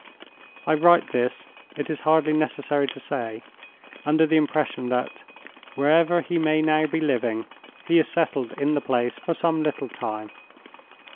I write this, it is hardly necessary to say, under the impression that, wherever he may now be living, he is settled in the place for some little time.